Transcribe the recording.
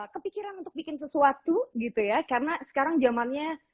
kepikiran untuk bikin sesuatu gitu ya karena sekarang zamannya